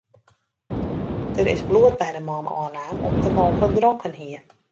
Der is bloed by de man ôfnaam om't er mooglik dronken hie.